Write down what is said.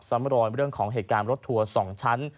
รอยเรื่องของเหตุการณ์รถทัวร์๒ชั้น